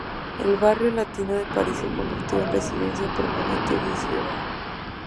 El Barrio Latino de París se convirtió en residencia permanente de Cioran.